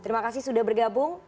terima kasih sudah bergabung